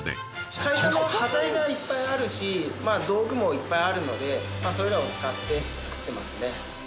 会社の端材がいっぱいあるし道具もいっぱいあるのでそれらを使って作ってますね。